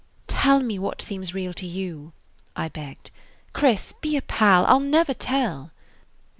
"Tell me what seems real to you," I begged. "Chris, be a pal. I 'll never tell."